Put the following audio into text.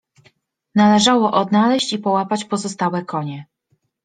Należało odnaleźć i połapać pozostałe konie.